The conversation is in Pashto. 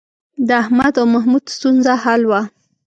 د احمد او محمود ستونزه حل وه.